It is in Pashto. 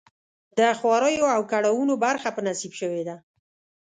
د خواریو او کړاوونو برخه په نصیب شوې ده.